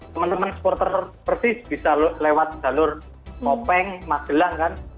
teman teman supporter persis bisa lewat jalur mopeng magelang kan